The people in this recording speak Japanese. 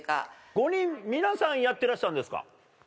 ５人皆さんやってらしたんですか？